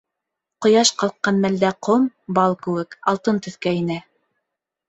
Ҡояш ҡалҡҡан мәлдә ҡом, бал кеүек, алтын төҫкә инә.